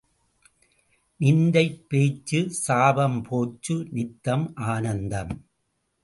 நிந்தை போச்சு சாபம் போச்சு நித்தம் ஆனந்தம்!